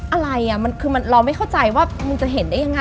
อะไรคือเราไม่เข้าใจว่ามึงจะเห็นได้ยังไง